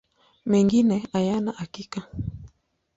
Mengine hayana hakika.